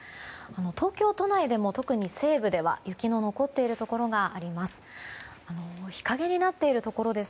東京都内でも、特に西部では雪の残っているところがあります。